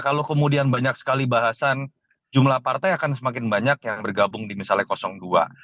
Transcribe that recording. kalau kemudian banyak sekali bahasan jumlah partai akan semakin banyak yang bergabung di misalnya dua